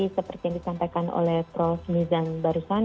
seperti yang disampaikan oleh prof nizam barusan